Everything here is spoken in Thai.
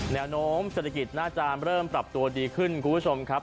แนวโน้มเศรษฐกิจน่าจะเริ่มปรับตัวดีขึ้นคุณผู้ชมครับ